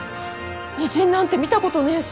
異人なんて見たことねぇし。